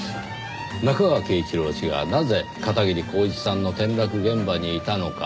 中川敬一郎氏がなぜ片桐晃一さんの転落現場にいたのか。